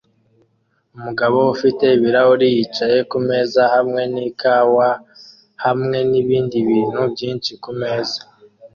Umugabo ufite ibirahuri yicaye kumeza hamwe nikawawa hamwe nibindi bintu byinshi kumeza